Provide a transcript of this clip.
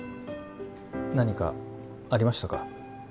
何かありましたか？